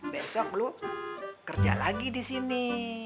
besok lu kerja lagi di sini